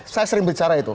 saya sering bicara itu